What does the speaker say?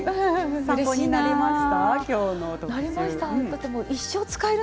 勉強になりました。